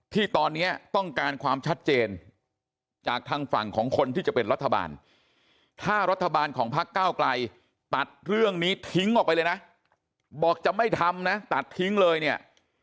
ที่ตอนนี้ต้องการความชัดเจนจากทางฝั่งของคนที่จะเป็นรัฐบาลถ้ารัฐบาลของพักเก้าไกลตัดเรื่องนี้ทิ้งออกไปเลยนะบอกจะไม่ทำนะตัดทิ้งเลยเนี่ย